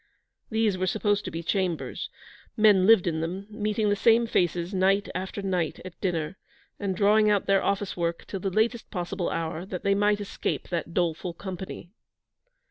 These were supposed to be chambers. Men lived in them, meeting the same faces night after night at dinner, and drawing out their office work till the latest possible hour, that they might escape that doleful company.